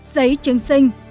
giấy chứng sinh